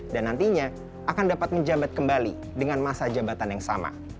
dan nantinya akan dapat menjabat kembali dengan masa jabatan yang sama